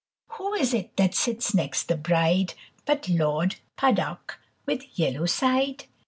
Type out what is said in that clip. Who is it that sits next the bride But Lord Puddock with yellow side?